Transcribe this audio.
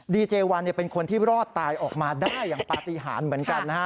ดีเจวันเป็นคนที่รอดตายออกมาได้อย่างปฏิหารเหมือนกันนะฮะ